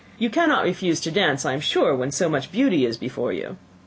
You cannot refuse to dance, I am sure, when so much beauty is before you."